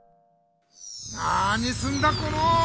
なにすんだこの！